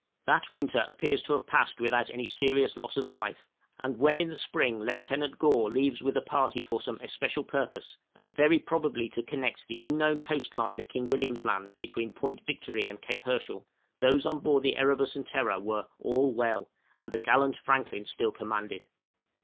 That winter appears to have passed without any serious loss of life; and when in the spring Lieutenant Gore leaves with a party for some especial purpose, and very probably to connect the unknown coast line of King William's Land between Point Victory and Cape Herschel, those on board the 'Erebus' and 'Terror' were "all well," and the gallant Franklin still commanded. {DISCOVERY OF CROZIER'S RECORD.